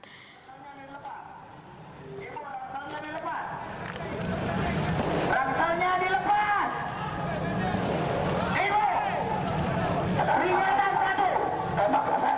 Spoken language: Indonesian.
ranselnya dilepas ranselnya dilepas ranselnya dilepas